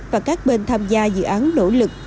và các bên tham gia dự án nỗ lực